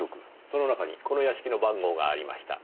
その中にこの屋敷の番号がありました。